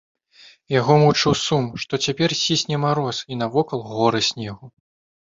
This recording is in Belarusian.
Яго мучыў сум, што цяпер цісне мароз і навокал горы снегу.